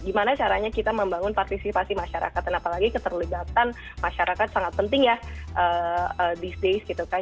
gimana caranya kita membangun partisipasi masyarakat dan apalagi keterlibatan masyarakat sangat penting ya bisnis gitu kan